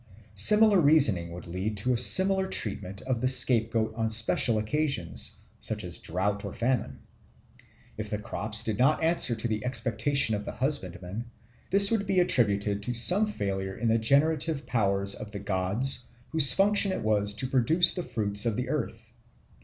Similar reasoning would lead to a similar treatment of the scapegoat on special occasions, such as drought or famine. If the crops did not answer to the expectation of the husbandman, this would be attributed to some failure in the generative powers of the god whose function it was to produce the fruits of the earth.